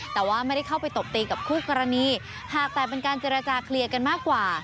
แต่ว่าไม่ได้เข้าไปตบตีกับคู่กรณีหากแต่เป็นการเจรจาเคลียร์กันมากกว่า